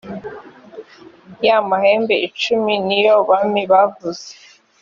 ya mahembe icumi ni yo bami bavuze